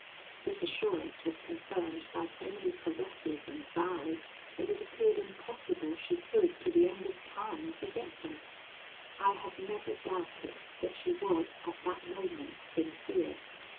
"This assurance was confirmed by so many caresses and vows, that it appeared impossible she could, to the end of time, forget them. I have never doubted that she was at that moment sincere.